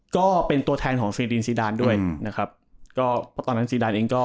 ก็เป็นตัวแทนของซีดีนซีดานด้วยนะครับก็เพราะตอนนั้นซีดานเองก็